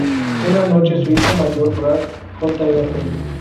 Una noche, su hijo mayor Brad, Jr.